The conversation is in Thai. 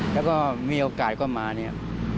และก็มีโอกาสก็มานี่